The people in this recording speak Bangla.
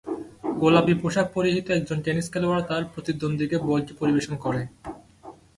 গোলাপী পোশাক পরিহিত একজন টেনিস খেলোয়াড় তার প্রতিদ্বন্দ্বীকে বলটি পরিবেশন করে।